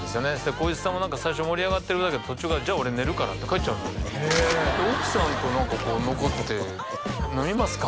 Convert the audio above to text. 浩市さんも何か最初盛り上がってるんだけど途中から「じゃあ俺寝るから」って帰っちゃうもんだから奥さんと何か残って飲みますか？